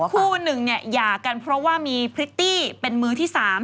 คู่หนึ่งเนี่ยหย่ากันเพราะว่ามีพริตตี้เป็นมือที่๓